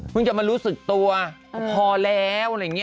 จะมารู้สึกตัวพอแล้วอะไรอย่างนี้